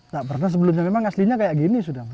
gak pernah sebelumnya memang aslinya kayak gini sudah